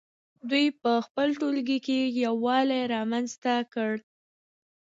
دوی په خپل ټولګي کې یووالی رامنځته کړ.